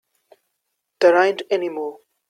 There ain't any more.